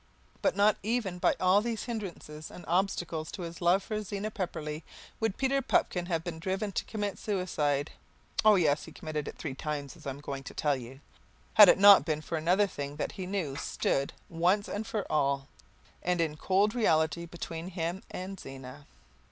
But not even by all these hindrances and obstacles to his love for Zena Pepperleigh would Peter Pupkin have been driven to commit suicide (oh, yes; he committed it three times, as I'm going to tell you), had it not been for another thing that he knew stood once and for all and in cold reality between him and Zena.